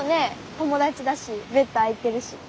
友達だしベッド空いてるし。